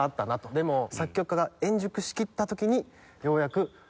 でもう作曲家が円熟しきった時にようやくできた曲。